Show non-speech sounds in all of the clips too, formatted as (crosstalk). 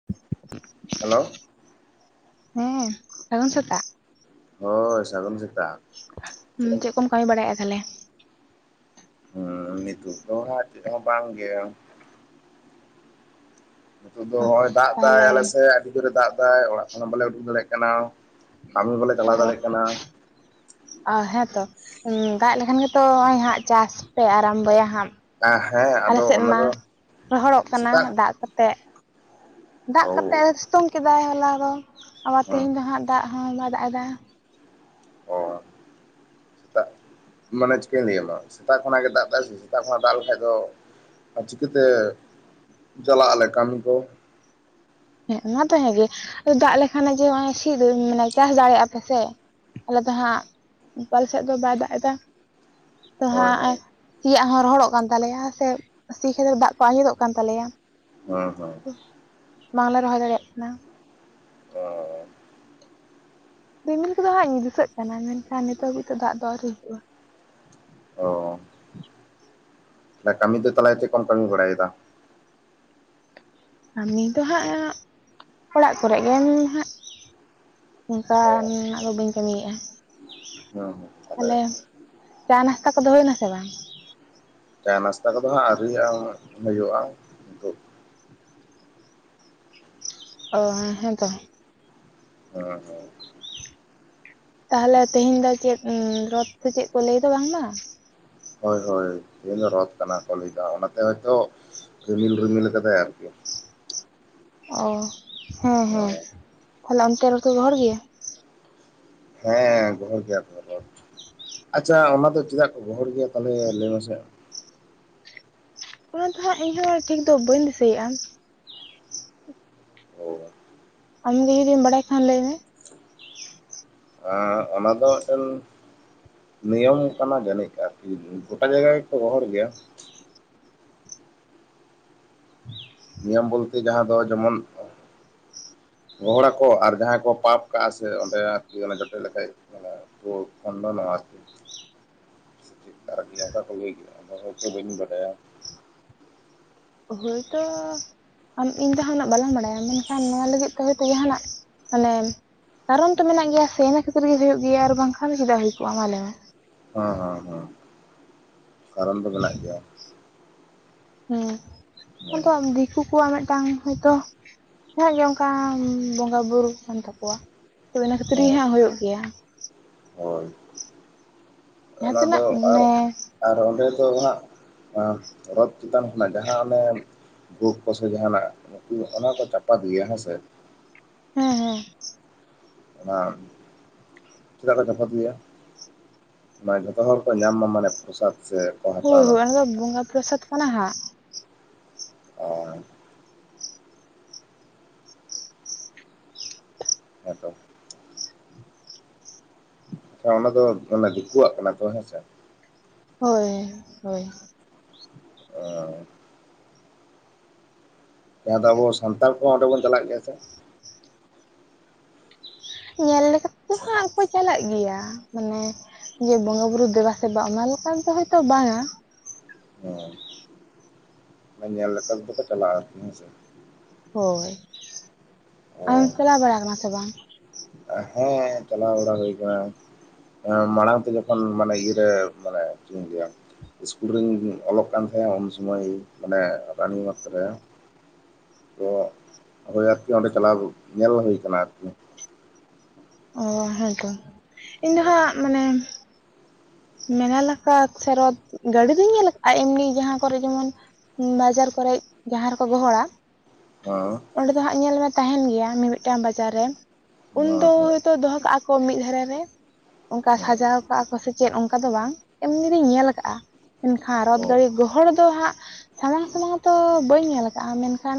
(inaudible) Hello ᱦᱮᱸ ᱥᱟᱜᱩᱱ ᱥᱮᱛᱟᱜ ᱦᱳᱭ ᱥᱟᱹᱜᱩᱱ ᱥᱮᱛᱟᱜ ᱦᱩᱸ ᱪᱮᱫ ᱠᱚᱢ ᱠᱟᱹᱢᱤ ᱵᱟᱲᱟᱭᱮᱫ-ᱟ ᱛᱟᱦᱞᱮ ᱦᱚᱸ ᱱᱤᱛᱚᱜ ᱫᱚ ᱪᱮᱫ ᱦᱚᱸ ᱵᱟᱝ ᱜᱮ ᱱᱤᱛᱚᱜ ᱫᱚ ᱱᱚᱜᱼᱚᱭ ᱫᱟᱜ ᱮᱫᱟᱭ ᱛᱟᱦᱚᱞᱮ ᱟᱞᱮ ᱥᱮᱫ ᱟᱹᱰᱤ ᱡᱳᱨᱮ ᱫᱟᱜ ᱮᱫᱟᱭ ᱚᱲᱟᱜ ᱠᱷᱚᱱ ᱦᱚᱸ ᱵᱟᱞᱮ ᱩᱰᱩᱠ ᱫᱟᱲᱮᱭᱟᱜ ᱠᱟᱱᱟ ᱠᱟᱹᱢᱤ ᱦᱚᱸ ᱵᱟᱞᱮ ᱚ ᱪᱟᱞᱟᱣ ᱫᱟᱲᱮᱭᱟᱜ ᱠᱟᱱᱟ ᱦᱮᱸᱛᱚ ᱫᱟᱜ ᱞᱮᱠᱷᱟᱱ ᱜᱮᱛᱚ ᱦᱟᱸᱜ ᱪᱟᱥ ᱯᱮ ᱟᱨᱟᱢᱵᱚᱭᱟ ᱦᱟᱸᱜ ᱦᱮᱸ ᱟᱞ ᱟᱫᱚ ᱥᱮᱫ ᱚᱱᱟ ᱢᱟ ᱫᱚ ᱨᱚᱦᱚᱲᱚᱜ ᱠᱟᱱᱟ ᱥᱮᱛᱟᱜ ᱫᱟᱜ ᱠᱚᱛᱮ ᱫᱟᱜ ᱳ ᱠᱟᱛᱮᱜ ᱥᱤᱛᱩᱝ ᱠᱮᱫᱟᱭ ᱦᱚᱞᱟ ᱫᱚ ᱟᱵᱟᱨ ᱦᱮᱸ ᱛᱮᱦᱤᱧ ᱫᱚ ᱦᱟᱸᱜ ᱫᱟᱜ ᱦᱚᱸ ᱵᱟᱭ ᱫᱟᱜ ᱮᱫᱟ ᱚ ᱥᱮᱛᱟᱜ ᱢᱟᱱᱮ ᱪᱤᱠᱟᱹᱧ ᱞᱟᱹᱭᱟᱢᱟ ᱥᱮᱛᱟᱜ ᱠᱷᱚᱱᱟᱜ ᱜᱮ ᱫᱟᱜ ᱮᱫᱟ ᱥᱮᱛᱟᱜ ᱠᱷᱚᱱᱟᱜ ᱫᱟᱜ ᱞᱮᱠᱷᱟᱡ ᱫᱚ ᱟᱨ ᱪᱤᱠᱟᱹᱛᱮ ᱪᱟᱞᱟᱜ ᱟᱞᱮ ᱠᱟᱹᱢᱤ ᱠᱚ ᱦᱮᱸ ᱱᱚᱣᱟ ᱫᱚ ᱦᱮᱸᱜᱮ ᱫᱟᱜ ᱞᱮᱠᱷᱟᱱ ᱡᱮ ᱱᱚᱜᱚᱭ ᱥᱤ ᱢᱟᱱᱮ ᱪᱟᱥ ᱫᱟᱲᱮᱭᱟᱜ-ᱟ ᱯᱮ ᱥᱮ ᱟᱞᱮ ᱫᱚ ᱦᱟᱸᱜ ᱯᱟᱞ ᱥᱮᱫ ᱫᱚ ᱵᱟᱭ ᱫᱟᱜ ᱮᱫᱟ ᱛᱚ ᱦᱳᱭ ᱦᱳᱭ ᱦᱟᱸᱜ ᱥᱤᱭᱟᱜ ᱦᱚᱸ ᱨᱚᱦᱚᱲᱚᱜ ᱠᱟᱱ ᱛᱟᱞᱮᱭᱟ ᱥᱮ ᱥᱤ ᱠᱷᱟᱹᱛᱨᱮ ᱫᱟᱜ ᱠᱚ ᱟᱸᱡᱮᱫᱚᱜ ᱠᱟᱱ ᱛᱟᱞᱮᱭᱟ ᱦᱚᱸ ᱦᱚᱸ ᱵᱟᱝᱞᱮ ᱨᱚᱦᱚᱭ ᱫᱟᱲᱮᱭᱟᱜ ᱠᱟᱱᱟ ᱚᱸᱻ ᱨᱤᱢᱤᱞ ᱠᱚᱫᱚ ᱦᱟᱸᱜ ᱫᱤᱥᱟᱹᱜ ᱠᱟᱱᱟ ᱢᱮᱱᱠᱷᱟᱱ ᱱᱤᱛᱚᱜ ᱦᱟᱹᱵᱤᱡ ᱛᱮ ᱫᱟᱜ ᱫᱚ ᱟᱹᱣᱨᱤ ᱦᱤᱡᱩᱜ-ᱟ ᱚ ᱠᱟᱹᱢᱤ ᱫᱚ ᱛᱟᱦᱚᱞᱮ ᱪᱮᱫ ᱠᱚᱢ ᱠᱟᱹᱢᱤ ᱵᱟᱲᱟᱭᱮᱫᱟ ᱠᱟᱹᱢᱤ ᱫᱚ ᱦᱟᱸᱜ ᱚᱲᱟᱜ ᱠᱚᱨᱮ ᱜᱮ ᱦᱟᱸᱜ ᱚ ᱚᱱᱠᱟᱱᱟᱜ ᱫᱚ ᱵᱟᱹᱧ ᱠᱟᱹᱢᱤᱭᱮᱜ-ᱟ ᱦᱮᱸ ᱦᱮᱸ ᱛᱟᱦᱞᱮ ᱪᱟ ᱱᱟᱥᱛᱟ ᱠᱚᱫᱚ ᱦᱩᱭ ᱱᱟᱥᱮ ᱵᱟᱝ ᱪᱟᱭ ᱱᱟᱥᱛᱟ ᱠᱚᱫᱚ ᱦᱟᱸᱜ ᱟᱹᱣᱤᱭᱟ ᱦᱩᱭᱩᱜ-ᱟ ᱚ ᱦᱮᱸᱛᱚ ᱦᱩᱸ ᱦᱩᱸ ᱛᱟᱦᱞᱮ ᱛᱮᱦᱮᱧ ᱫᱚ ᱪᱮᱫ ᱨᱚᱛ ᱥᱮ ᱪᱮᱫ ᱠᱚ ᱞᱟᱹᱭ ᱫᱚ ᱵᱟᱝ ᱢᱟ ᱦᱳᱭ ᱦᱳᱭ ᱛᱮᱦᱮᱧ ᱫᱚ ᱨᱚᱛ ᱠᱟᱱᱟ ᱠᱚ ᱞᱟᱹᱭᱫᱟ ᱚᱱᱟᱛᱮ ᱦᱳᱭᱛᱚ ᱨᱤᱢᱤᱞ ᱨᱤᱢᱤᱞ ᱠᱟᱫᱟᱭ ᱟᱨᱠᱤ ᱚ ᱦᱮᱸ ᱦᱮᱸ ᱛᱟᱦᱚᱞᱮ ᱚᱱᱛᱮ ᱫᱚᱠᱚ ᱜᱚᱦᱚᱲ ᱜᱮᱭᱟ ᱦᱮᱸ ᱜᱚᱦᱚᱲ ᱜᱮᱭᱟ ᱠᱚ ᱨᱚᱛ, ᱟᱪᱪᱷᱟ ᱚᱱᱟ ᱫᱚ ᱪᱮᱫᱟᱜ ᱠᱚ ᱜᱚᱦᱚᱲ ᱜᱮᱭᱟ ᱛᱟᱦᱚᱞᱮ ᱞᱟᱹᱭ ᱢᱮ ᱥᱮ ᱚᱱᱟ ᱫᱚ ᱦᱟᱸᱜ ᱤᱧᱦᱚᱸ ᱴᱷᱤᱠ ᱫᱚ ᱵᱟᱹᱧ ᱫᱤᱥᱟᱹᱭᱮᱜ-ᱟ ᱚ ᱟᱢᱜᱮ ᱡᱩᱫᱤᱢ ᱵᱟᱲᱟᱭ ᱠᱷᱟᱱ ᱞᱟᱹᱭ ᱢᱮ ᱦᱮᱸ ᱚᱱᱟ ᱫᱚ ᱢᱤᱫᱴᱮᱱ ᱱᱤᱭᱚᱢ ᱠᱟᱱᱟ ᱡᱟᱹᱱᱤᱡ ᱟᱨᱠᱤ ᱜᱚᱴᱟ ᱡᱟᱭᱜᱟ ᱜᱮᱠᱚ ᱜᱚᱦᱚᱲ ᱜᱮᱭᱟ ᱱᱤᱭᱚᱢ ᱵᱚᱞᱛᱮ ᱡᱟᱦᱟᱸ ᱫᱚ ᱡᱮᱢᱚᱱ ᱜᱚᱦᱚᱲ ᱟᱠᱚ ᱟᱨ ᱡᱟᱦᱟᱸᱭ ᱠᱚ ᱯᱟᱯ ᱠᱟᱜ-ᱟ ᱥᱮ ᱚᱸᱰᱮ ᱟᱨᱠᱤ ᱚᱱᱮ ᱡᱚᱴᱮᱫ ᱞᱮᱠᱷᱟ (unintelligible) ᱠᱷᱚᱱᱴᱚᱱᱚᱜ-ᱟ ᱟᱨ ᱠᱤ ᱪᱮᱫ ᱟᱨᱠᱤ ᱚᱱᱠᱟ ᱠᱚ ᱞᱟᱹᱭ ᱜᱮᱭᱟ ᱚᱱᱟ ᱦᱚᱭᱛᱚ ᱵᱟᱹᱧ ᱵᱟᱰᱟᱭᱟ ᱦᱳᱭ ᱛᱚ ᱟᱢ ᱤᱧ ᱫᱚ ᱡᱟᱦᱟᱱᱟᱜ ᱵᱟᱞᱟᱝ ᱵᱟᱰᱟᱭᱟ ᱢᱮᱱᱠᱷᱟᱱ ᱱᱚᱣᱟ ᱞᱟᱹᱜᱤᱫ ᱛᱮ ᱦᱳᱭᱛᱳ ᱡᱟᱦᱟᱱᱟᱜ ᱢᱟᱱᱮ ᱠᱟᱨᱚᱱ ᱛᱚ ᱢᱮᱱᱟᱜ ᱜᱮᱭᱟ ᱥᱮ ᱤᱱᱟᱹ ᱠᱷᱟᱹᱛᱤᱨ ᱜᱮ ᱦᱩᱭᱩᱜ ᱜᱮᱭᱟ ᱟᱨ ᱵᱟᱝᱠᱷᱟᱱ ᱪᱮᱫᱟᱜ ᱦᱩᱭ ᱠᱚᱜ-ᱟ ᱢᱟ ᱞᱟᱹᱭ ᱢᱮ ᱦᱚᱸ ᱦᱚᱸ ᱦᱚᱸ ᱠᱟᱨᱚᱱ ᱫᱚ ᱢᱮᱱᱟᱜ ᱜᱮᱭᱟ ᱦᱮᱸ ᱦᱮᱸ ᱟᱫᱚᱟᱢ ᱫᱤᱠ ᱩᱱᱠᱩ ᱠᱚᱣᱟᱜ ᱢᱮᱫᱴᱟᱝ ᱦᱳᱭᱛᱚ ᱡᱟᱦᱟᱸ ᱜᱮ ᱚᱱᱠᱟ ᱵᱚᱸᱜᱟ ᱵᱩᱨᱩ ᱠᱟᱱ ᱛᱟᱠᱚᱣᱟ ᱛᱚᱵᱮ ᱤᱱᱟᱹ ᱠᱷᱟᱹᱛᱤᱨ ᱜᱮ ᱦᱮᱸ ᱦᱟᱸᱜ ᱦᱳᱭᱳᱜ ᱜᱮᱭᱟ ᱦᱳᱭ ᱡᱟᱦᱟᱸ ᱚᱱᱟ ᱛᱤᱱᱟᱹᱜ ᱫᱚ ᱟᱨ ᱢᱟᱱᱮ ᱟᱨ ᱚᱸᱰᱮ ᱫᱚ ᱦᱟᱸᱜ ᱨᱚᱛ ᱪᱮᱛᱟᱱ ᱠᱷᱚᱱᱟᱜ ᱡᱟᱦᱟᱸ ᱚᱱᱮᱢ ᱵᱷᱳᱜᱽ ᱠᱚᱥᱮ ᱡᱟᱦᱟᱱᱟᱜ ᱱᱩᱠᱩ ᱚᱱᱟ ᱠᱚ ᱪᱟᱯᱟᱫ ᱜᱮᱭᱟ ᱦᱮᱸᱥᱮ ᱦᱮᱸ ᱦᱮᱸ ᱚᱱᱟ ᱪᱮᱫᱟᱜ ᱠᱚ ᱪᱟᱯᱟᱫ ᱜᱮᱭᱟ ᱢᱟᱱᱮ ᱡᱷᱚᱛᱚ ᱦᱚᱲ ᱠᱚ ᱧᱟᱢ ᱢᱟ ᱢᱟᱱᱮ ᱯᱨᱚᱥᱟᱫᱽ ᱥᱮ ᱠᱚ ᱦᱳᱭ ᱦᱟᱛᱟᱣ ᱢᱟ ᱦᱳᱭ ᱚᱱᱟ ᱫᱚ ᱵᱚᱸᱜᱟ ᱯᱨᱚᱥᱟᱫᱽ ᱠᱟᱱᱟ ᱦᱟᱸᱜ ᱚᱨ ᱦᱮᱸ ᱛᱚ ᱟᱪᱪᱷᱟ ᱚᱱᱟ ᱫᱚ ᱚᱱᱮ ᱫᱤᱠᱩᱣᱟᱜ ᱠᱟᱱᱟ ᱛᱚ ᱦᱮᱸᱥᱮ ᱦᱳᱭ ᱦᱳᱭ ᱚᱸ ᱡᱟᱦᱟᱸ ᱫᱚ ᱟᱵᱚ ᱥᱟᱱᱛᱟᱲ ᱠᱚ ᱦᱚ ᱚᱸᱰᱮ ᱵᱚᱱ ᱪᱟᱞᱟᱜ ᱜᱮᱭᱟ ᱥᱮ ᱧᱮᱞ ᱞᱮᱠᱟᱛᱮ ᱫᱚ ᱦᱟᱸᱜ ᱠᱚ ᱪᱟᱞᱟᱜ ᱜᱮᱭᱟ ᱢᱟᱱᱮ ᱡᱮ ᱵᱚᱸᱜᱟ ᱵᱩᱨᱩ ᱫᱮᱵᱟ ᱥᱮᱵᱟ ᱚᱱᱟ ᱞᱮᱠᱟᱛᱮ ᱫᱚ ᱦᱳᱭᱛᱚ ᱵᱟᱝ-ᱟ ᱦᱮ ᱧᱮᱞ ᱞᱮᱠᱷᱟᱱ ᱛᱚ ᱠᱚ ᱪᱟᱞᱟᱜ-ᱟ ᱦᱮᱸ ᱥᱮ ᱦᱳᱭ ᱟᱢ-ᱮᱢ ᱪᱟᱞᱟᱣ ᱵᱟᱲᱟ ᱠᱟᱱᱟ ᱥᱮ ᱵᱟᱝ? ᱦᱮᱸᱻ ᱪᱟᱞᱟᱣ ᱵᱟᱲᱟ ᱦᱩᱭ ᱠᱟᱱᱟ ᱟᱸ ᱢᱟᱲᱟᱝ ᱛᱮ ᱡᱚᱠᱷᱚᱱ ᱢᱟᱱᱮ ᱤᱭᱟᱹᱨᱮ ᱢᱟᱱᱮ ᱪᱮᱫ ᱤᱧ ᱞᱟᱹᱭ-ᱟ ᱤᱥᱠᱩᱞ ᱨᱤᱧ ᱚᱞᱚᱜ ᱠᱟᱱ ᱛᱮᱦᱮᱜ ᱩᱱ ᱥᱩᱢᱟᱹᱭ ᱚᱱᱮ ᱨᱟᱱᱤ ᱵᱟᱸᱛ ᱨᱮ ᱛᱚ ᱦᱳᱭ ᱟᱨᱠᱤ ᱚᱸᱰᱮ ᱪᱟᱞᱟᱣ ᱧᱮᱞ ᱦᱩᱭ ᱠᱟᱱᱟ ᱟᱨᱠᱤ ᱚ ᱦᱮᱸᱛᱚ ᱤᱧ ᱫᱚ ᱦᱮᱸ ᱦᱟᱸᱜ ᱢᱟᱱᱮ ᱢᱮᱞᱟ ᱞᱮᱠᱟ ᱥᱮᱨᱣᱟ ᱜᱟᱹᱰᱤ ᱫᱩᱧ ᱧᱮᱞ ᱠᱟᱜᱼᱟ ᱮᱢᱱᱤ ᱡᱟᱸᱦᱟ ᱠᱚᱨᱮ ᱡᱮᱢᱚᱱ ᱵᱟᱡᱟᱨ ᱠᱚᱨᱮᱜ ᱡᱟᱦᱟ ᱨᱮᱠᱚ ᱜᱚᱦᱚᱲ-ᱟ ᱦᱮᱸ ᱚᱸᱰᱮ ᱫᱚ ᱦᱟᱸᱜ ᱧᱮᱞ ᱢᱮ ᱛᱟᱦᱮᱱ ᱜᱮᱭᱟ ᱢᱤ-ᱢᱤᱫ ᱴᱟᱝ ᱵᱟᱡᱟᱨ ᱨᱮ ᱦᱮᱸ ᱩᱱ ᱦᱮᱸ ᱫᱚ ᱦᱮᱸ ᱦᱳᱭᱛᱳ ᱫᱚᱦᱚ ᱠᱟᱜ ᱠᱚ ᱢᱤᱫ ᱫᱷᱟᱨᱮ ᱨᱮ ᱚᱝᱠᱟ ᱥᱟᱡᱟᱣ ᱠᱟᱜᱼᱟ ᱠᱚ ᱪᱮᱫ ᱚᱝᱠᱟ ᱫᱚ ᱵᱟᱝ ᱮᱢᱱᱤ ᱨᱤᱧ ᱧᱮᱞ ᱠᱟᱜᱼᱟ, ᱢᱮᱱᱠᱷᱟᱱ ᱨᱚᱛ ᱚ ᱜᱟᱲᱤ ᱜᱚᱦᱚᱲ ᱫᱚ ᱦᱟᱜ ᱥᱟᱢᱟᱝ ᱥᱟᱢᱟᱝ ᱛᱚ ᱵᱟᱹᱧ ᱧᱮᱞ ᱟᱠᱟᱜᱼᱟ ᱢᱮᱱᱠᱷᱟᱱ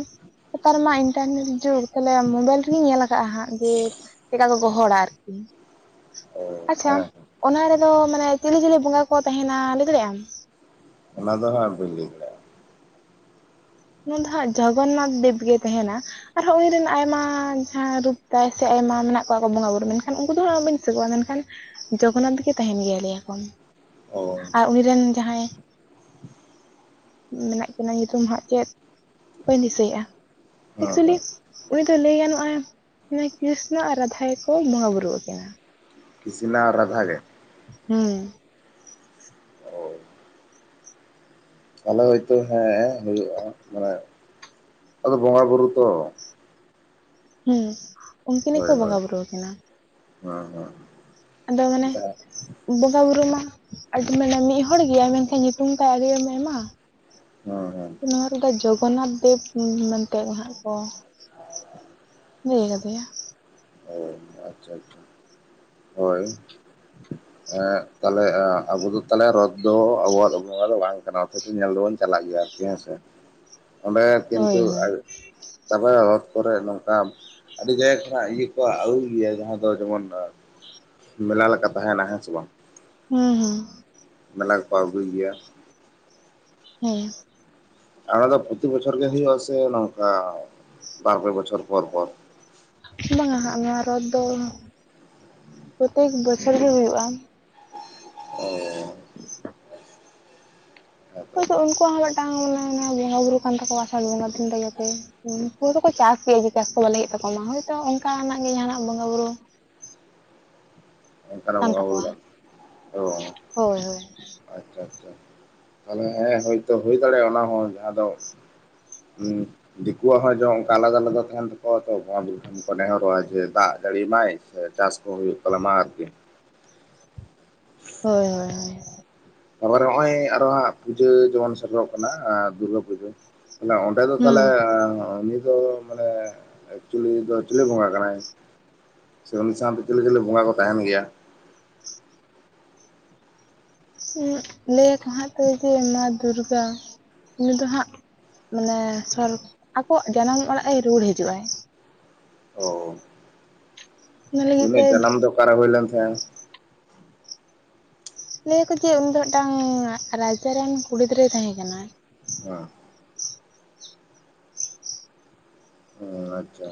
ᱱᱮᱛᱟᱨ ᱢᱟ ᱤᱱᱴᱟᱨᱱᱮᱴ ᱡᱩᱜᱽ ᱛᱟᱦᱞᱮ ᱢᱳᱵᱟᱭᱤᱞ ᱨᱮᱜᱤᱧ ᱧᱮᱞ ᱠᱟᱜ-ᱟ ᱦᱟᱸᱜ ᱡᱮ ᱪᱮᱜᱠᱟ ᱠᱚ ᱜᱚᱦᱚᱲ-ᱟ ᱟᱨᱠᱤ ᱚ ᱟᱪᱪᱷᱟ ᱦᱮᱸ ᱚᱱᱟ ᱨᱮᱫᱚ ᱢᱟᱱᱮ ᱪᱤᱞᱤ ᱪᱤᱞᱤ ᱵᱚᱸᱜᱟ ᱠᱚ ᱛᱟᱸᱦᱮᱱᱟ ᱞᱟᱹᱭ ᱫᱟᱲᱮᱜᱼᱟᱢ? ᱚᱱᱟ ᱫᱚ ᱦᱟᱸᱜ ᱵᱟᱹᱧ ᱞᱮᱫᱟᱲᱮ ᱩᱱ ᱫᱚ ᱦᱟᱸᱜ ᱡᱚᱜᱚᱱᱱᱟᱛᱷ ᱫᱮᱵᱽ ᱜᱮ ᱛᱮᱦᱮᱱᱟ ᱟᱨᱦᱚᱸ ᱩᱱᱤ ᱨᱮᱱ ᱟᱭᱢᱟ ᱡᱟᱦᱟᱸ ᱨᱩᱯ ᱛᱟᱭ ᱥᱮ ᱟᱭᱢᱟ ᱢᱮᱱᱟᱜ ᱠᱚᱣᱟ ᱠᱚ ᱵᱚᱸᱜᱟᱼᱵᱩᱨᱩ ᱢᱮᱱᱠᱷᱟᱱ ᱩᱱᱠᱩ ᱫᱚ ᱦᱟᱸᱜ ᱵᱟᱹᱧ ᱫᱤᱥᱟ ᱠᱚᱣᱟ ᱢᱮᱱᱠᱷᱟᱱ ᱡᱚᱜᱚᱱᱱᱟᱛᱷ ᱜᱮ ᱛᱟᱦᱮᱱ ᱜᱮᱭᱟᱭ, ᱞᱮᱭ ᱟᱠᱚ ᱚ ᱟᱨ ᱩᱱᱤ ᱨᱮᱱ ᱡᱟᱦᱟᱸᱭ ᱢᱮᱱᱟᱜ ᱠᱤᱱᱟᱹᱧᱩᱛᱩᱢ ᱦᱟᱸᱜ ᱪᱮᱫ ᱵᱟᱹᱧ ᱫᱤᱥᱟᱹᱭᱮᱜᱼᱟ ᱦᱮᱸ ᱮᱠᱪᱩᱭᱞᱤ ᱦᱮᱸ ᱩᱱᱤ ᱫᱚ ᱞᱟᱹᱭ ᱜᱟᱱᱚᱜᱼᱟ ᱠᱨᱤᱥᱱᱚ ᱟᱨ ᱨᱟᱫᱷᱟ ᱜᱮ ᱠᱚ ᱵᱚᱸᱜᱟ ᱵᱩᱨᱩ ᱟᱹᱠᱤᱱᱟ ᱠᱤᱥᱱᱟ ᱟᱨ ᱨᱟᱫᱷᱟ ᱜᱮ? ᱦᱩᱸ ᱚ ᱛᱟᱦᱚᱞᱮ ᱦᱚᱳᱭᱛᱳ ᱦᱮᱸ ᱦᱩᱭᱩᱜᱼᱟ ᱢᱟᱱᱮ ᱟᱫᱚ ᱵᱚᱸᱜᱟ ᱵᱩᱨᱩ ᱛᱚ ᱦᱩᱸ ᱩᱱᱠᱤᱱ ᱦᱳᱭ ᱜᱮᱠᱚ ᱦᱳᱭ ᱵᱚᱸᱜᱟ ᱵᱩᱨᱩ ᱣᱟᱠᱤᱱ-ᱟ ᱦᱮᱸ ᱦᱮᱸ ᱟᱫᱚ ᱢᱟᱱᱮ ᱵᱚᱸᱜᱟ ᱵᱩᱨᱩ ᱢᱟ ᱟᱹᱰᱤ ᱢᱟᱱᱮ ᱢᱤᱜ ᱦᱚᱲ ᱜᱮᱭᱟᱭ ᱢᱮᱱᱠᱷᱟᱱ ᱧᱩᱛᱩᱢ ᱛᱟᱭ ᱟᱹᱰᱤ‌ ᱟᱭᱢᱟ ᱦᱳᱭ ᱦᱮᱳᱭ ᱱᱚᱣᱟ ᱨᱮᱫᱚ ᱡᱚᱜᱚᱱᱱᱟᱛᱷ ᱫᱮᱵᱽ ᱢᱮᱱᱛᱮ ᱦᱟᱸᱜ ᱠᱚ ᱞᱟᱹᱭ ᱠᱟᱫᱮᱭᱟ ᱚ ᱟᱪᱪᱷᱟ ᱟᱪᱪᱷᱟ ᱦᱳᱭ ᱮᱸ ᱛᱟᱞᱦᱮ ᱟᱸ ᱟᱵᱚ ᱫᱚ ᱛᱟᱞᱦᱮ ᱨᱚᱛ ᱫᱚ ᱟᱵᱚᱣᱟᱜ ᱵᱚᱸᱜᱟ ᱫᱚ ᱵᱟᱝ ᱠᱟᱱᱟ ᱥᱮᱠᱤ ᱧᱮᱞ ᱫᱚᱵᱚᱱ ᱟᱞᱟᱜ ᱜᱮᱭᱟ ᱟᱨᱠᱤ ᱦᱮᱸᱥᱮ ᱚᱸᱰᱮ ᱦᱳᱭ ᱠᱤᱱᱛᱩ ᱟ ᱦᱳᱭ ᱛᱟᱯᱚᱨᱮ ᱨᱚᱛ ᱠᱚᱨᱮ ᱱᱚᱝᱠᱟ ᱟᱹᱰᱤ ᱡᱟᱭᱜᱟ ᱠᱷᱚᱱᱟᱜ ᱤᱭᱟᱹ ᱠᱚ ᱟᱹᱜᱩᱭ ᱜᱮᱭᱟ ᱡᱟᱸᱦᱟ ᱫᱚ ᱡᱚᱢᱚᱱ ᱢᱮᱞᱟ ᱞᱮᱠᱟ ᱛᱟᱦᱮᱱᱟ ᱦᱮᱸ ᱥᱮ ᱵᱟᱝ ᱦᱩᱸ ᱦᱩᱸ ᱢᱮᱞᱟ ᱠᱚᱠᱚ ᱟᱹᱜᱩᱭ ᱜᱮᱭᱟ? ᱦᱮᱸ ᱟᱞᱮ ᱫᱚ ᱯᱩᱛᱤ ᱵᱚᱪᱷᱚᱨ ᱜᱮ ᱦᱩᱭᱩᱜ-ᱟ? ᱥᱮ ᱱᱚᱝᱠᱟ ᱵᱟᱨᱯᱮ ᱵᱚᱪᱷᱚᱨ ᱯᱚᱨ ᱯᱚᱨ ᱵᱟᱝ-ᱟ ᱦᱟᱸᱜ ᱱᱚᱣᱟ ᱨᱚᱛ ᱫᱚ ᱯᱚᱛᱮᱠ ᱵᱚᱪᱷᱚᱨ ᱜᱮ ᱦᱳᱭᱳᱜᱼᱟ ᱚ (unintelligible) ᱦᱮᱸᱛᱚ ᱚᱱᱟᱛᱚ ᱩᱱᱠᱩᱣᱟᱜ ᱦᱚᱸ ᱢᱤᱫᱴᱟᱝ ᱢᱟᱱᱮ ᱚᱱᱟ ᱵᱚᱸᱜᱟ ᱵᱩᱨᱩ ᱠᱟᱱ ᱛᱟᱠᱚᱣᱟ ᱟᱥᱟᱲ ᱵᱚᱸᱜᱟ ᱫᱤᱱ ᱨᱮ ᱡᱟᱛᱮ ᱦᱩᱸ ᱱᱩᱠᱩ ᱫᱚᱠᱚ ᱪᱟᱥ ᱜᱮᱭᱟ ᱡᱮ ᱪᱟᱥ ᱠᱚ ᱵᱟᱞᱮ ᱦᱩᱭᱩᱜ ᱛᱟᱠᱚ ᱢᱟ ᱦᱳᱭᱛᱳ ᱚᱱᱠᱟᱱᱟᱜ ᱜᱮ ᱡᱟᱦᱟᱱᱟᱜ ᱵᱚᱸᱜᱟ ᱵᱩᱨᱩ ᱚᱱᱠᱟᱱᱟᱜ ᱠᱟᱱ ᱵᱚᱸᱜᱟ ᱵᱩᱨᱩ ᱛᱟᱠᱚᱣᱟ ᱵᱟᱝ ᱦᱳᱭ ᱦᱳᱭ ᱟᱪᱷᱟ ᱟᱪᱷᱟ ᱦᱮᱸ ᱦᱳᱭᱛᱳ ᱦᱩᱭ ᱫᱟᱲᱮᱭᱟᱜᱼᱟ ᱚᱱᱟ ᱦᱚᱸ ᱡᱟᱦᱟᱸ ᱫᱚᱼᱼ ᱫᱤᱠᱩᱣᱟᱜ ᱦᱚᱸ ᱡᱮ ᱚᱱᱠᱟ ᱟᱞᱟᱫᱟ ᱟᱞᱟᱫᱟ ᱛᱟᱦᱮᱱ ᱛᱟᱠᱚᱣᱟ ᱛᱚᱼᱼ ᱱᱮᱦᱚᱨᱚᱜᱼᱟ ᱡᱮ ᱫᱟᱜ ᱡᱟᱹᱲᱤ ᱢᱟᱭ ᱥᱮ ᱪᱟᱥ ᱠᱚ ᱦᱩᱭᱩᱜ ᱛᱟᱞᱮ ᱢᱟ ᱟᱨᱠᱤ ᱦᱳᱭ ᱦᱳᱭ ᱦᱳᱭ ᱛᱟᱯᱚᱨᱮ ᱱᱚᱜᱼᱚᱭ ᱟᱨᱚ ᱦᱟᱸᱜ ᱯᱩᱡᱟᱹ ᱡᱮᱢᱚᱱ ᱥᱮᱴᱮᱨᱚᱜ ᱠᱟᱱᱟ ᱫᱩᱨᱜᱟᱹ ᱯᱩᱡᱟᱹ ᱟᱞᱮᱼᱼ ᱟᱯᱮ ᱫᱚ ᱦᱩᱸ ᱛᱟᱦᱚᱞᱮ ᱩᱱᱤ ᱫᱚ ᱢᱟᱱᱮ ᱮᱠᱪᱩᱞᱤ ᱫᱚ ᱪᱤᱞᱤ ᱵᱚᱸᱜᱟ ᱠᱟᱱᱟᱭ ᱥᱮ ᱩᱱᱤ ᱥᱟᱶ ᱛᱮ ᱪᱤᱞᱤ ᱪᱤᱞᱤ ᱵᱚᱸᱜᱟ ᱠᱚ ᱛᱟᱦᱮᱱ ᱜᱮᱭᱟ ᱞᱟᱹᱭᱟ ᱠᱚ ᱦᱟᱸᱜ ᱛᱚ ᱡᱮ ᱢᱟ ᱫᱩᱨᱜᱟ ᱩᱱᱤ ᱫᱚ ᱦᱟᱸᱜ ᱢᱟᱱᱮ ᱥᱚᱨ ᱟᱠᱚᱣᱟᱜ ᱡᱟᱱᱟᱢ ᱚᱲᱟᱜ ᱮ ᱨᱩᱣᱟᱹᱲ ᱦᱤᱡᱩᱜᱼᱟᱭ ᱚ ᱚᱱᱟ ᱞᱟᱹᱜᱤᱫ ᱛᱮ ᱩᱱᱤᱭᱟᱜ ᱡᱟᱱᱟᱢ ᱫᱚ ᱚᱠᱟᱨᱮ ᱦᱩᱭ ᱞᱮᱱ ᱛᱟᱦᱮᱱ ᱞᱟᱹᱭᱟᱠᱚ ᱡᱮ ᱩᱱᱤ ᱫᱚ ᱢᱤᱫᱴᱟᱹᱝ ᱨᱟᱡᱟᱨ ᱨᱮᱱ ᱠᱩᱲᱤ ᱜᱤᱫᱽᱨᱟᱹᱭ ᱛᱟᱦᱮᱸ ᱠᱟᱱᱟ ᱦᱮᱸ ᱟᱪᱷᱟ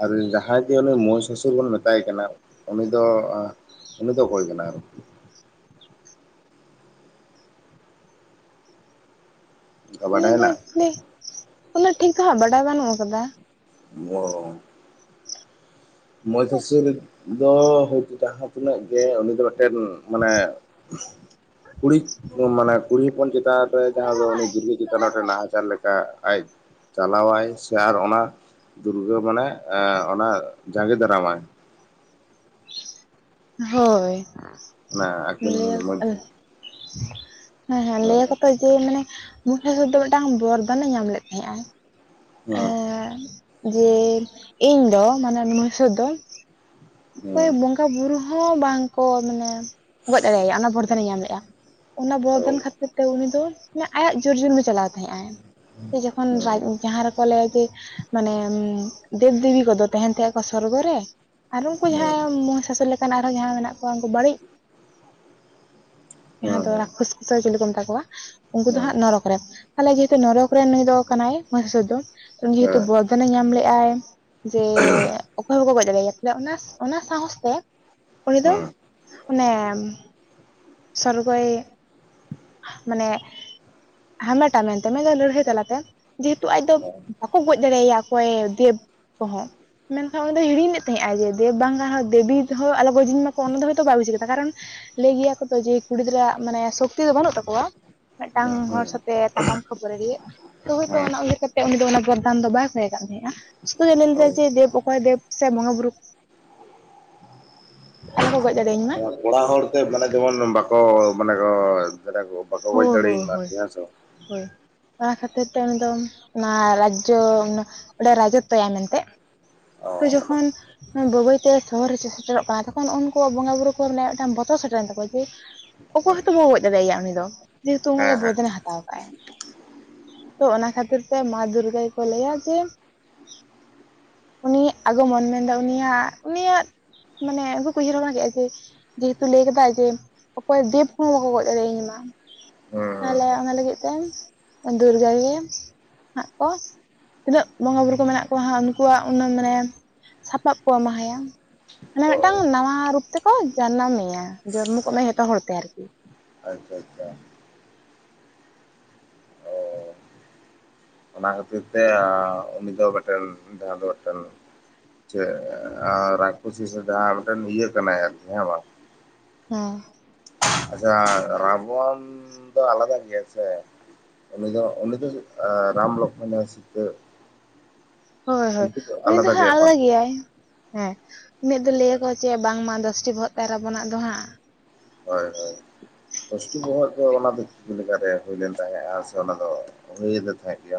ᱟᱨ ᱡᱟᱦᱟᱸᱭ ᱡᱮ ᱩᱱᱤ ᱢᱩᱦᱤ ᱥᱩᱥᱩᱨ ᱵᱚᱱ ᱢᱮᱛᱟᱭ ᱠᱟᱱᱟ ᱩᱱᱤ ᱫᱚ ᱩᱱᱤ ᱫᱚ ᱚᱠᱚᱭ ᱠᱟᱱᱟᱜᱼᱼ ᱚᱱᱠᱟ ᱩᱱᱤ ᱵᱟᱰᱟᱭ ᱫᱚ ᱦᱮᱱᱟᱜ-ᱟ (unintelligible) ᱩᱱᱟᱹᱜ ᱴᱷᱤᱠ ᱦᱟᱸᱜ ᱵᱟᱰᱟᱭ ᱵᱟᱹᱱᱩᱜ ᱟᱠᱟᱫᱟ (unintelligible) ᱢᱚᱭᱥᱟᱥᱩᱨ ᱫᱚ ᱦᱚᱭᱛᱚ ᱡᱟᱦᱟᱸ ᱛᱤᱱᱟᱹᱜ ᱜᱮ ᱩᱱᱤ ᱫᱚ ᱢᱤᱫᱴᱮᱱ ᱢᱟᱱᱮᱻ ᱠᱩᱲᱤᱼᱼ ᱢᱟᱱᱮ ᱠᱩᱲᱤ ᱦᱚᱯᱚᱱ ᱪᱮᱛᱟᱱ ᱨᱮ ᱡᱟᱦᱟᱸ ᱫᱚ ᱩᱱᱤ ᱫᱩᱨᱜᱟᱹ ᱪᱮᱛᱟᱱ ᱨᱮ ᱱᱟᱦᱟᱪᱟᱨ ᱞᱮᱠᱟ ᱟᱡ ᱪᱟᱞᱟᱣᱟᱭ ᱥᱮ ᱟᱨ ᱚᱱᱟ ᱫᱩᱨᱜᱟᱹ ᱢᱟᱱᱮ ᱚᱱᱟ ᱡᱟᱸᱜᱮ ᱫᱟᱨᱟᱢᱟᱭ ᱦᱳᱭ ᱚᱱᱟ ᱟᱹᱠᱤᱱ ᱞᱟᱹᱭ (unintelligible) ᱢᱚᱫᱽᱫᱷᱮ ᱦᱮᱸ ᱦᱮᱸ ᱞᱟᱹᱭᱟᱠᱚ ᱛᱚ ᱡᱮ ᱢᱟᱱᱮ ᱢᱩᱦᱤᱥᱟ ᱫᱚ ᱢᱤᱫᱴᱟᱹᱝ ᱵᱚᱨᱫᱟᱱ ᱮ ᱧᱟᱢ ᱞᱮᱫ ᱛᱟᱦᱮᱸᱜᱼᱟ ᱦᱮᱸᱻ ᱡᱮ ᱤᱧ ᱫᱚ ᱢᱟᱱᱮ (unintelligible) ᱫᱚ ᱚᱠᱚᱭᱮ ᱦᱮᱸ ᱵᱚᱸᱜᱟᱼᱼ ᱵᱩᱨᱩ ᱦᱚᱸ ᱵᱟᱝ ᱠᱚ ᱢᱟᱱᱮ ᱜᱚᱡ ᱫᱟᱲᱮᱭᱟᱭᱟ ᱚᱱᱟ ᱵᱚᱨᱫᱷᱟᱱᱮ ᱧᱟᱢ ᱞᱮᱜᱼᱟ ᱚᱱᱟ ᱚ ᱵᱚᱨᱫᱟᱱ ᱠᱷᱟᱹᱛᱤᱨ ᱛᱮ ᱩᱱᱤ ᱫᱚ ᱟᱭᱟᱜ ᱡᱚᱨᱡᱚᱱᱮ ᱪᱟᱞᱟᱣ ᱛᱟᱦᱮᱸᱜ ᱟᱭ ᱦᱮᱸ ᱡᱚᱠᱷᱚᱱ (unintelligible) ᱦᱮᱸ ᱡᱟᱦᱟᱸ ᱨᱮᱼᱼ (unintelligible) ᱢᱟᱱᱮ ᱫᱮᱵ ᱫᱮᱵᱤ ᱠᱚᱫᱚ ᱛᱟᱦᱮᱱ ᱛᱟᱦᱮᱸ ᱠᱚ ᱥᱚᱨᱜᱚ ᱨᱮ ᱟᱨ ᱩᱱᱠᱩ ᱦᱮᱸ ᱦᱮᱸ ᱡᱟᱦᱟᱸᱭ ᱢᱚᱦᱤ ᱥᱟᱥᱩᱨ ᱞᱮᱠᱟᱱ ᱟᱨᱦᱚᱸ ᱡᱟᱦᱟᱸᱭ ᱢᱮᱱᱟᱜ ᱠᱚᱣᱟ ᱩᱱᱠᱩ ᱵᱟᱹᱲᱤᱡ ᱡᱟᱦᱟᱸ ᱫᱚ ᱦᱮᱸ ᱦᱮᱸ ᱨᱟᱠᱠᱚᱷᱥ ᱠᱩ ᱥᱮ ᱪᱤᱞᱤ ᱠᱚ ᱢᱮᱛᱟ ᱠᱚᱣᱟ ᱩᱱᱠᱩ ᱫᱚ ᱦᱮᱸ ᱦᱟᱸᱜ ᱱᱚᱨᱚᱠ (unintelligible) ᱛᱮ ᱡᱮ ᱦᱮᱛᱩ ᱱᱚᱨᱚᱠ ᱨᱮᱱ ᱱᱩᱭ ᱫᱚ ᱠᱟᱱᱟᱭ ᱢᱩᱦᱤᱥᱟᱥᱩᱨ ᱫᱚ ᱩᱱᱤ ᱡᱮ ᱦᱮᱛᱩᱼᱼ ᱦᱮᱸ ᱦᱮᱸ (unintelligible) ᱧᱟᱢ ᱞᱮᱜᱟᱭ ᱡᱮ ᱚᱠᱚᱭ ᱦᱚᱸ ᱵᱟᱠᱚ ᱜᱚᱡ ᱫᱟᱲᱮᱭᱟᱭᱟ ᱚᱱᱟ ᱚᱱᱟ ᱥᱟᱦᱚᱥ ᱛᱮ ᱩᱱᱤ ᱫᱚ ᱚᱱᱮᱻ ᱥᱚᱨᱜᱚᱭᱻ ᱢᱟᱱᱮ ᱦᱟᱢᱮᱴᱟ ᱢᱮᱱᱛᱮ ᱢᱮᱱ ᱫᱚ ᱞᱟᱹᱲᱦᱟᱹᱭ ᱛᱟᱞᱟᱛᱮ ᱡᱮ ᱦᱮᱛᱩ ᱟᱡ ᱫᱚ ᱵᱟᱠᱚ ᱜᱚᱡ ᱫᱟᱲᱮᱭᱟᱭᱟ ᱚᱠᱚᱭ ᱫᱮᱵᱽ ᱠᱚᱦᱚᱸ ᱢᱮᱱᱠᱷᱟᱱ ᱩᱱᱤ ᱫᱚ ᱦᱤᱲᱤᱧ ᱞᱮᱫ ᱛᱟᱦᱮᱸᱫ ᱟᱭ ᱡᱮ ᱫᱮᱵᱽ ᱵᱟᱝ ᱨᱮᱦᱚᱸ ᱫᱮᱵᱤ ᱨᱮ ᱦᱚᱸ ᱟᱞᱚ ᱜᱚᱡᱤᱧ ᱢᱟᱠᱚ ᱚᱱᱟ ᱫᱚ ᱦᱚᱭ ᱛᱚ ᱵᱟᱭ ᱵᱩᱡᱽ ᱠᱮᱫᱟ ᱠᱟᱨᱚᱱ ᱞᱟᱹᱭ ᱜᱮᱭᱟ ᱠᱚ ᱛᱚ ᱡᱮ ᱠᱩᱲᱤ ᱜᱤᱫᱽᱨᱟᱹ ᱢᱟᱱᱮ ᱥᱩᱠ ᱥᱩᱠᱛᱤ ᱫᱚ ᱵᱟᱹᱱᱩᱜ ᱛᱟᱠᱚᱣᱟ ᱢᱤᱫᱴᱟᱹᱝ ᱦᱚᱲ ᱥᱟᱶᱛᱮᱜ ᱛᱟᱯᱟᱢ ᱠᱷᱟᱹᱯᱟᱹᱨᱤ ᱨᱮᱭᱟᱜ ᱛᱚ ᱦᱚᱭᱛᱳ ᱚᱱᱟ ᱩᱭᱦᱟᱹᱨ ᱠᱟᱹᱼᱼ ᱩᱱᱤ ᱫᱚ ᱚᱱᱟ ᱵᱚᱨᱫᱟᱱ ᱫᱚ ᱵᱟᱭ ᱠᱷᱚᱭ ᱟᱠᱟᱫ ᱢᱮᱭᱟ ᱥᱩᱫᱷᱩ ᱡᱮ ᱞᱮᱞ ᱚ ᱞᱮᱫᱟᱭ ᱡᱮ ᱫᱮᱵ ᱚᱠᱚᱭ ᱫᱮᱵ ᱥᱮ ᱵᱚᱸᱜᱟᱼ ᱵᱩᱨᱩ ᱟᱞᱚ ᱠᱚ ᱜᱚᱡ ᱫᱟᱲᱮᱭᱟᱹᱧᱢᱟ ᱚᱲᱟᱜ ᱦᱚᱲ ᱛᱮ ᱢᱟᱱᱮ ᱡᱮᱢᱚᱱ ᱵᱟᱠᱚ ᱢᱟᱱᱮ ᱠᱚ ᱵᱟᱠᱚ ᱜᱚᱡ ᱦᱳᱭ ᱦᱳᱭ ᱦᱳᱭ ᱫᱟᱲᱮᱣᱟᱠᱟᱫᱮᱭᱟ ᱦᱮᱸᱥᱮ ᱵᱟᱝ ᱦᱳᱭ ᱚᱱᱟ ᱠᱷᱟᱹᱛᱤᱨ ᱛᱮ ᱩᱱᱤ ᱫᱚ ᱚᱱᱟ ᱨᱟᱡᱽᱡᱚ ᱚᱸᱰᱮ ᱨᱟᱡᱽᱡᱚᱛᱛᱚᱭᱟᱭ ᱢᱮᱱᱛᱮ ᱚ ᱛᱚ ᱡᱚᱠᱷᱚᱱ ᱵᱟᱹᱭ ᱵᱟᱹᱭ ᱛᱮ ᱥᱚᱦᱚᱨ ᱨᱮ ᱥᱮᱴᱮᱨᱚᱜ ᱠᱟᱱᱟ ᱛᱚᱠᱷᱚᱱ ᱩᱱᱠᱩᱣᱟᱜ ᱵᱚᱸᱜᱟ ᱵᱩᱨᱩ ᱠᱚ ᱞᱟᱹᱭᱮᱫ ᱛᱟᱦᱮᱸᱫ ᱵᱚᱛᱚᱨ ᱥᱮᱴᱮᱨᱮᱱ ᱛᱟᱠᱚᱣᱟ ᱠᱤ ᱚᱠᱚᱭ ᱦᱚᱸᱛᱚ ᱵᱟᱠᱚ ᱜᱚᱡ ᱫᱟᱲᱮᱭᱟᱭᱟ ᱩᱱᱤ ᱫᱚ ᱡᱮᱦᱮᱛᱩ ᱦᱮᱸ ᱩᱱᱤᱫᱚ ᱦᱮᱸ ᱵᱚᱫᱚᱞᱟ ᱦᱟᱛᱟᱣ ᱟᱠᱟᱫᱟᱭ ᱛᱚ ᱚᱱᱟ ᱠᱷᱟᱹᱛᱤᱨ ᱛᱮ ᱢᱟ ᱫᱩᱨᱜᱟᱹ ᱜᱮ ᱠᱚ ᱞᱟᱹᱭᱟ ᱡᱮ ᱩᱱᱤᱭᱟᱜ ᱟᱜᱚᱢᱚᱱ ᱢᱮᱱᱫᱟ ᱩᱱᱤᱭᱟᱜ ᱩᱱᱤᱭᱟᱜ ᱢᱟᱱᱮ ᱩᱱᱠᱩ ᱠᱚ ᱩᱭᱦᱟᱹᱨᱟ ᱵᱷᱟᱵᱽᱱᱟ ᱠᱮᱫᱼᱟ ᱡᱮ ᱡᱮᱦᱮᱛᱩ ᱞᱟᱹᱭ ᱠᱟᱫᱟᱭ ᱡᱮ ᱚᱠᱚᱭ ᱫᱮᱵᱽ ᱦᱚᱸ ᱵᱟᱠᱚ ᱜᱚᱡ ᱫᱟᱲᱮᱭᱟᱹᱧ ᱢᱟ ᱛᱟᱦᱚᱞᱮ ᱦᱩᱸ ᱚᱱᱟ ᱞᱟᱹᱜᱤᱫ ᱛᱮ ᱫᱩᱨᱜᱟᱹ ᱜᱮ ᱦᱟᱸᱜ ᱠᱚ ᱛᱤᱱᱟᱹᱜ ᱵᱚᱸᱜᱟ ᱵᱩᱨᱩ ᱠᱚ ᱢᱮᱱᱟᱜ ᱠᱚᱣᱟ ᱦᱟᱸᱜ ᱩᱱᱠᱩᱣᱟᱜ ᱩᱱᱟᱹᱜ ᱢᱟᱱᱮ ᱥᱟᱯᱟᱵ ᱠᱚ ᱮᱢᱟ ᱦᱟᱭᱟ ᱢᱟᱱᱮ ᱢᱤᱫᱴᱟᱝ ᱚ ᱱᱟᱣᱟ ᱨᱩᱯ ᱛᱮᱠᱚ ᱡᱟᱱᱟᱢ ᱢᱮᱭᱟ ᱡᱚᱱᱢᱚ ᱠᱚ ᱮᱢᱟᱭᱟ ᱡᱚᱛᱚ ᱦᱚᱲ ᱛᱮ ᱟᱨᱠᱤ ᱟᱪᱪᱷᱟ ᱟᱪᱪᱷᱟ ᱚ ᱚᱱᱟ ᱠᱷᱟᱹᱛᱤᱨ ᱛᱮ ᱩᱱᱤ ᱫᱚ ᱢᱤᱫᱴᱮᱱ ᱡᱟᱦᱟᱸ ᱫᱚ ᱢᱤᱫᱴᱮᱱ ᱪᱮᱫ ᱨᱟᱠᱠᱷᱚᱥᱤ ᱥᱮ ᱡᱟᱦᱟᱸ ᱢᱤᱫᱴᱮᱱ ᱤᱭᱟᱹ ᱠᱟᱱᱟᱭ ᱟᱨᱠᱤ ᱦᱮᱸ ᱵᱟᱝ ᱦᱮᱸ ᱟᱪᱪᱷᱟ ᱨᱟᱵᱚᱱ ᱫᱚ ᱟᱞᱟᱫᱟ ᱜᱮᱭᱟᱭ ᱥᱮ ᱩᱱᱤ ᱫᱚ ᱩᱱᱤ ᱫᱚ ᱨᱟᱢ ᱞᱚᱠᱠᱷᱚᱱᱤᱭ ᱥᱤᱛᱟᱹ ᱦᱳᱭ ᱦᱳᱭ ᱩᱱᱠᱩ ᱩᱱᱤ ᱫᱚ ᱦᱟᱸᱜ ᱜᱮᱭᱟ ᱠᱚ ᱟᱞᱟᱫᱟ ᱜᱮᱭᱟᱭ ᱦᱮᱸ ᱩᱱᱤᱭᱟᱜ ᱫᱚ ᱞᱟᱹᱭᱟ ᱠᱚ ᱪᱮ ᱵᱟᱝᱢᱟ ᱫᱚᱥᱴᱤ ᱵᱚᱦᱚᱜ ᱛᱟᱭ ᱛᱟᱵᱚᱱᱟᱜ ᱫᱚ ᱦᱟᱸᱜ ᱦᱳᱭ ᱦᱳᱭ ᱫᱚᱥᱴᱤ ᱵᱚᱦᱚᱜ ᱫᱚ ᱚᱱᱟ ᱫᱚ ᱪᱤᱠᱟᱹ ᱞᱮᱠᱟ ᱨᱮ ᱦᱩᱭ ᱞᱮᱱ ᱛᱟᱦᱮᱸᱫᱼᱟ ᱥᱮ ᱚᱱᱟ ᱫᱚ ᱦᱩᱭᱟᱫᱮ ᱛᱟᱦᱮᱸᱫ ᱜᱮ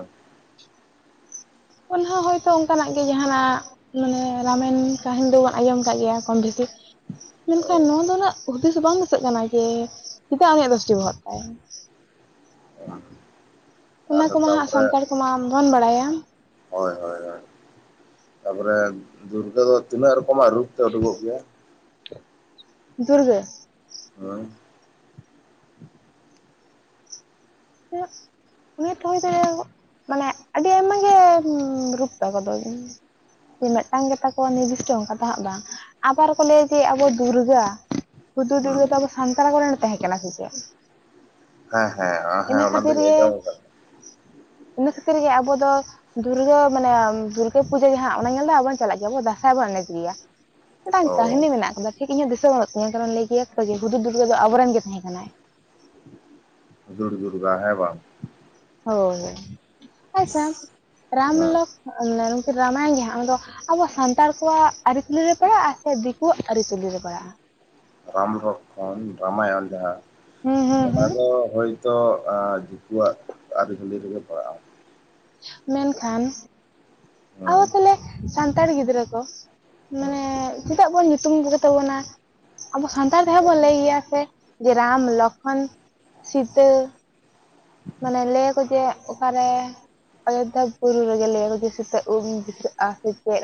ᱚᱱᱟ ᱦᱚᱸ ᱦᱳᱭᱛᱳ ᱚᱱᱠᱟᱱᱟᱜ ᱜᱮ ᱡᱟᱦᱟᱸᱱᱟᱜ ᱢᱟᱱᱮ ᱨᱟᱢᱟᱭᱚᱱ ᱠᱟᱹᱦᱤᱱᱤ ᱫᱚᱵᱚᱱ ᱟᱸᱡᱚᱢ ᱠᱟᱜ ᱜᱮᱭᱟ ᱠᱚᱢ ᱵᱮᱥᱤ ᱢᱮᱱᱠᱷᱟᱱ ᱱᱚᱣᱟ ᱫᱚ ᱩᱱᱟᱹᱜ ᱦᱩᱫᱤᱥ ᱵᱟᱝ ᱫᱤᱥᱟᱹᱜ ᱠᱟᱱᱟ ᱡᱮ ᱪᱮᱫᱟᱜ ᱩᱱᱤᱭᱟᱜ ᱫᱚᱥᱴᱤ ᱵᱚᱦᱚᱜ ᱛᱟᱭ ᱚ ᱚᱱᱟ ᱠᱚᱢᱟ ᱦᱟᱸᱜ ᱥᱟᱱᱛᱟᱲ ᱠᱚᱢᱟ ᱵᱚᱱ ᱵᱟᱲᱟᱭᱟ ᱦᱳᱭ ᱦᱳᱭ ᱦᱳᱭ ᱛᱟᱯᱚᱨᱮ ᱫᱩᱨᱜᱟᱹ ᱫᱚ ᱛᱤᱱᱟᱹᱜ ᱨᱚᱠᱚᱢᱟᱜ ᱨᱩᱯ ᱛᱮ ᱩᱰᱩᱠᱚᱜ ᱜᱮᱭᱟᱭ ᱫᱩᱨᱜᱟᱹ ᱦᱳᱭ ᱦ (inaudible) ᱚᱱᱟ ᱦᱚᱛ (inaudible) ᱢᱟᱱᱮ ᱟᱹᱰᱤ ᱟᱭᱢᱟᱜ ᱜᱮ ᱨᱩᱯ ᱛᱟᱠᱚ ᱫᱚ ᱡᱮ ᱢᱤᱫᱴᱟᱝ ᱜᱮᱛᱟ ᱠᱚᱣᱟ ᱱᱤᱨᱫᱤᱥᱴᱚ ᱚᱱᱠᱟ ᱫᱚ ᱦᱟᱸᱜ ᱵᱟᱝ ᱟᱵᱟᱨ ᱠᱚ ᱞᱟᱹᱭᱟ ᱡᱮ ᱟᱵᱚ ᱫᱩᱨᱜᱟᱹ ᱦᱩᱫᱩᱲ ᱦᱩᱸ ᱫᱩᱨᱜᱟᱹ ᱫᱚ ᱟᱵᱚ ᱥᱟᱱᱛᱟᱲ ᱠᱚᱨᱮᱱ ᱛᱟᱦᱮᱸ ᱠᱟᱱᱟ ᱥᱮ ᱪᱮᱫ ᱦᱮᱸ ᱦᱮᱸ ᱦᱮᱸ ᱤᱱᱟᱹ ᱚᱱᱟ ᱠᱷᱟᱹᱛᱤᱨ ᱫᱚᱧ ᱜᱮ ᱟᱡᱚᱢ ᱠᱟᱫᱟ ᱤᱱᱟᱹ ᱠᱷᱟᱹᱛᱤᱨ ᱜᱮ ᱟᱵᱚ ᱫᱚ ᱫᱩᱨᱜᱟᱹ ᱢᱟᱱᱮ ᱫᱩᱨᱜᱟᱹ ᱯᱩᱡᱟᱹ ᱡᱟᱦᱟᱸ ᱚᱱᱟ ᱧᱮᱞ ᱫᱚ ᱟᱵᱚᱱ ᱪᱟᱞᱟᱜ ᱜᱮᱭᱟ ᱟᱵᱚ ᱫᱟᱸᱥᱟᱭ ᱵᱚᱱ ᱮᱱᱮᱡ ᱜᱮᱭᱟ ᱢᱤᱫᱴᱟᱝ ᱚ ᱠᱟᱹᱦᱱᱤ ᱢᱮᱱᱟᱜ ᱟᱠᱟᱫᱟ ᱴᱷᱤᱠ ᱤᱧ ᱦᱚᱸ ᱫᱤᱥᱟᱹ ᱵᱟᱹᱱᱩᱜ ᱛᱤᱧᱟᱹ ᱠᱟᱨᱚᱱ ᱞᱟᱹᱭ ᱜᱮᱭᱟ ᱠᱚ ᱦᱩᱫᱩᱲ ᱫᱩᱨᱜᱟᱹ ᱫᱚ ᱟᱵᱚ ᱨᱮᱱ ᱜᱮ ᱛᱟᱦᱮᱸ ᱠᱟᱱᱟᱭ ᱦᱩᱫᱩᱲ ᱫᱩᱨᱜᱟ ᱦᱮᱸ ᱵᱟᱝ ᱦᱳᱭ ᱦᱳᱭ ᱟᱪᱪᱷᱟ ᱦᱮᱸ ᱨᱟᱢᱞᱚᱠ ᱱᱩᱠᱤᱱ ᱨᱟᱢᱟᱭᱚᱱ ᱡᱟᱦᱟᱸ ᱚᱱᱟ ᱫᱚ ᱟᱵᱚ ᱥᱟᱱᱛᱟᱲ ᱠᱚᱣᱟᱜ ᱟᱹᱨᱤᱪᱟᱞᱤ ᱨᱮ ᱯᱟᱲᱟᱜᱼᱟ ᱥᱮ ᱫᱤᱠᱩᱣᱟᱜ ᱟᱹᱨᱤᱪᱟᱞᱤ ᱨᱮ ᱯᱟᱲᱟᱜᱼᱟ ᱨᱟᱢᱞᱚᱠᱠᱷᱚᱱ ᱨᱟᱢᱟᱭᱚᱱ ᱡᱟᱦᱟᱸ ᱦᱩᱸ ᱦᱩᱸ ᱚᱱᱟ ᱦᱩᱸ ᱫᱚ ᱦᱳᱭ ᱛᱚ ᱫᱤᱠᱩᱣᱟᱜ ᱟᱹᱨᱤ ᱪᱟᱹᱞᱤ ᱨᱮ ᱜᱮ ᱯᱟᱲᱟᱜᱼᱟ ᱢᱮᱱᱠᱷᱟᱱ ᱟᱵᱚ ᱦᱮᱸ ᱛᱟᱦᱚᱞᱮ ᱥᱟᱱᱛᱟᱲ ᱜᱤᱫᱽᱨᱟᱹ ᱠᱚ ᱦᱮᱸ ᱢᱟᱱᱮ ᱪᱮᱫᱟᱜ ᱵᱚᱱ ᱧᱩᱛᱩᱢ ᱠᱚ ᱜᱮ ᱛᱟᱵᱚᱱᱟ ᱟᱵᱚ ᱥᱟᱱᱛᱟᱲ ᱛᱮᱦᱚᱸ ᱵᱚᱱ ᱞᱟᱹᱭ ᱜᱮᱭᱟ ᱥᱮ ᱨᱟᱢ ᱞᱚᱠᱠᱷᱚᱱ ᱥᱤᱛᱟᱹ ᱢᱟᱱᱮ ᱞᱟᱹᱭᱟᱠᱚ ᱡᱮ ᱚᱠᱟ ᱨᱮ ᱚᱡᱚᱫᱫᱷᱟ ᱵᱩᱨᱩ ᱨᱮ ᱜᱮ ᱞᱟᱹᱭᱟ ᱡᱮ ᱥᱤᱛᱟᱹᱣᱟᱜ ᱩᱵ ᱫᱤᱟᱹᱜᱼᱟ ᱥᱮ ᱪᱮᱫ